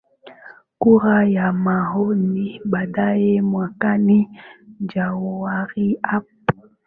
kura ya maoni baadae mwakani januari hapo